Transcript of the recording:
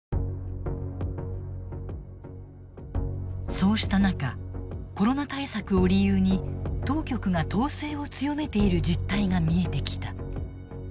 そうした中コロナ対策を理由に当局が統制を強めている実態が見えてきた。